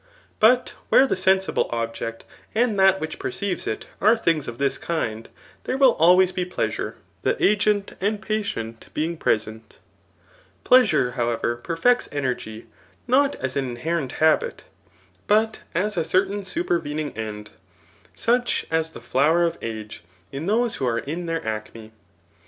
But where the sensible object, and that which perceives it, are things of this kind, there will always be pleasure, the agent and patient being present. Pleasure, however, perfects energy, not as an inherent habit, but as a certain supervening end, such as the flower of age in those who are in their acme.